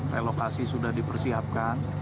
relokasi sudah dipersiapkan